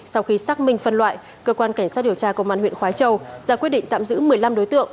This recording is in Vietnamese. sau khi xác minh phân loại cơ quan cảnh sát điều tra công an huyện khói châu ra quyết định tạm giữ một mươi năm đối tượng